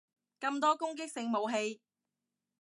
咁多攻擊性武器